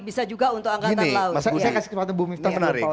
bisa juga untuk angkatan laut